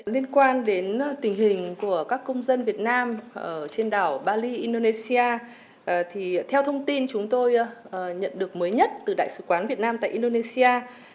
liên quan đến tình hình của các công dân việt nam trên đảo bali indonesia thì theo thông tin chúng tôi nhận được mới nhất từ đại sứ quán việt nam tại indonesia